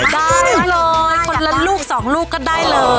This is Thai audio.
ได้เลยคนละลูกสองลูกก็ได้เลย